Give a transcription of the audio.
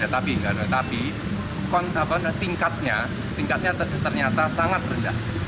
tapi tingkatnya tingkatnya ternyata sangat rendah